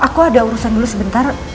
aku ada urusan dulu sebentar